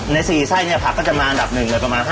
ใน๔ไส้เนี่ยผักก็จะมาอันดับ๑ประมาณ๕๐